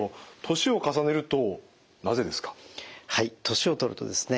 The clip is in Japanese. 年をとるとですね